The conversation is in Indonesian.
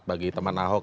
bagi teman ahok